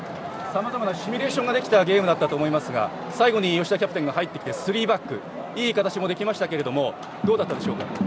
さまざまなシミュレーションができた試合だったと思いますが最後に、吉田キャプテン入ってスリーバック、いい形もできましたが、どうでしたか？